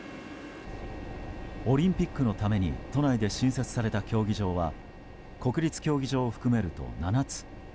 オリンピックのために都内で新設された競技場は国立競技場を含めると７つ。